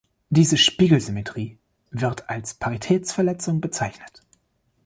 Diese Spiegelsymmetrie wird als Paritätsverletzung bezeichnet.